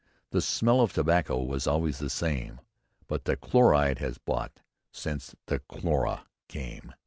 The smell of tobacco was always the same: But the chloride was bought since the cholera came."